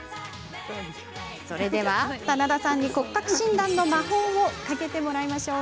それでは、棚田さんに骨格診断の魔法をかけてもらいましょう。